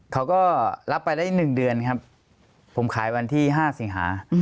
เขาก็รับไปได้๑เดือนครับผมขายวันที่๕สิงหา